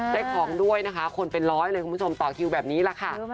ได้ของด้วยนะคะคนเป็นร้อยเลยคุณผู้ชมต่อคิวแบบนี้แหละค่ะ